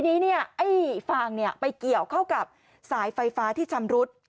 ทีนี้ไอ้ฟางไปเกี่ยวเข้ากับสายไฟฟ้าที่ชำรุด